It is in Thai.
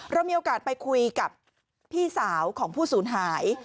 เรามีโอกาสไปคุยกับพี่สาวของผู้สูญหาย